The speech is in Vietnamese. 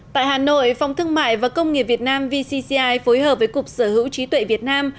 tại hà nội phòng thương mại và công nghiệp việt nam vcci phối hợp với cục sở hữu trí tuệ việt nam